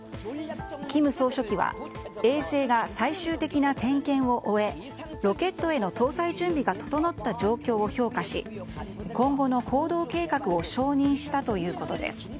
金総書記は衛星が最終的な点検を終えロケットへの搭載準備が整った状況を評価し今後の行動計画を承認したということです。